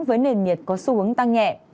với nền nhiệt có xu hướng tăng nhẹ